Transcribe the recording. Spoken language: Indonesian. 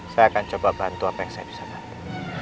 saya akan coba bantu apa yang saya bisa bantu